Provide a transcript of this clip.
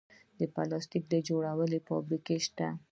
د پلاستیک جوړولو فابریکې شته